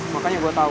makanya gue tau